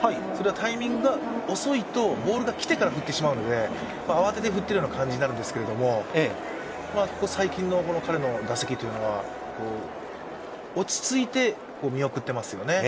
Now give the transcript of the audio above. タイミングが遅いと、ボールが来てから振ってしまうので慌てて振っているような感じになるんですけどここ最近の彼の打席というのは落ち着いて見送ってますよね。